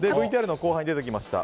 ＶＴＲの後半に出てきました